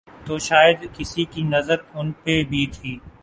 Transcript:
تو شاید کسی کی نظر ان پہ بھی تھی۔